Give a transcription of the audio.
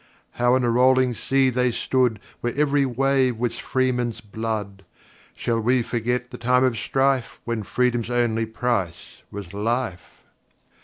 How in a rolling sea they stood, Where every wave was freemen's blood,—Shall we forget the time of strife, When freedom's only price was life?